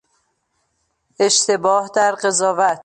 اشتباه در قضاوت